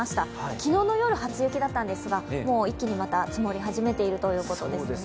昨日の夜、初雪だったんですが一気に積もり始めているということですね。